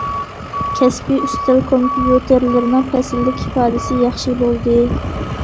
كەسپىي ئۈستەل كومپيۇتېرلىرىنىڭ پەسىللىك ئىپادىسى ياخشى بولدى.